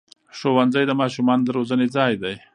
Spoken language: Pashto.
ښوونځی د ماشومانو د روزنې ځای دی